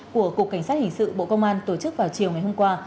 của cục cảnh sát hình sự bộ công an tổ chức vào chiều ngày hôm qua